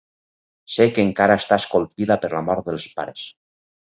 Sé que encara estàs colpida per la mort dels pares.